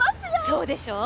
そうでしょう？